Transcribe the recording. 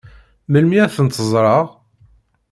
Melmi ad tent-ẓṛeɣ?